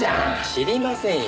知りませんよ。